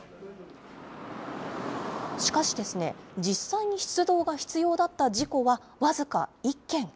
しかしですね、実際に出動が必要だった事故は僅か１件。